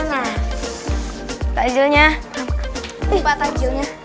pak takjilnya pak